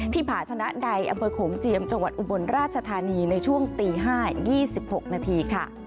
ที่ผาชนะใดอำเมฆโขงเจียมจังหวัดอุบรณราชธานีในช่วง๕นาที๒๖นาที